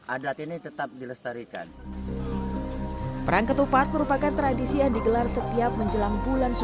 adat ini tetap dilestarikan perang ketupat merupakan tradisi yang digelar setiap menjelang